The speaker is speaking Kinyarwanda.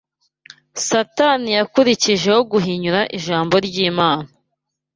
Satani yakurikijeho guhinyura ijambo ry’Imana